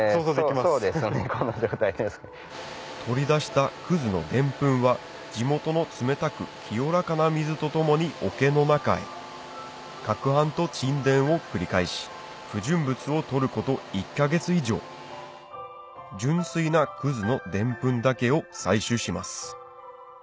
取り出したのデンプンは地元の冷たく清らかな水と共に桶の中へ攪拌と沈殿を繰り返し不純物を取ること１か月以上純粋なのデンプンだけを採取します